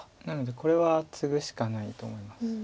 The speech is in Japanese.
なのでこれはツグしかないと思います。